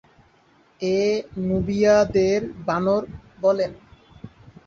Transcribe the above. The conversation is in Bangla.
এ নুবিয়া দের "বানর" বলেন।